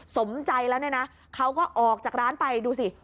สมใจแล้วเนี่ยนะเขาก็ออกจากร้านไปดูสิ